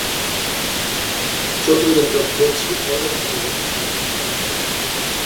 Total number of deaths recorded are only from the country itself.